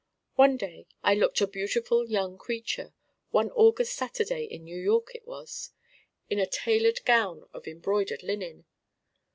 One day I looked a beautiful young creature one August Saturday in New York it was in a tailored gown of embroidered linen.